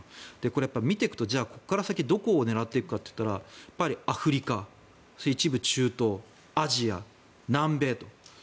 これは見ていくとじゃあここから先どこを狙っていくかといったらやっぱり、アフリカ一部中東、アジア、南米と。